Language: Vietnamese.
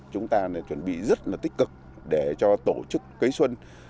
chúng ta chuẩn bị rất là tích cực để cho tổ chức cấy xuân